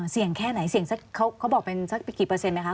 เสี่ยงแค่ไหนเสี่ยงเขาบอกเป็นสักเป็นกี่เปอร์เซ็นต์ไหมคะ